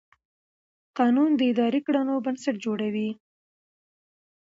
قانون د اداري کړنو بنسټ جوړوي.